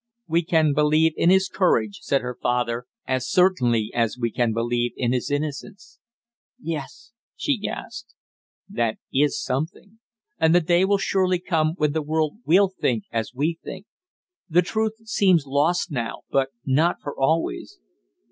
"We can believe in his courage," said her father, "as certainly as we can believe in his innocence." "Yes " she gasped. "That is something. And the day will surely come when the world will think as we think. The truth seems lost now, but not for always!"